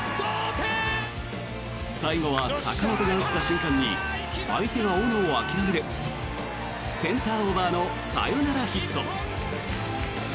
最後は坂本が打った瞬間に相手が追うのを諦めるセンターオーバーのサヨナラヒット。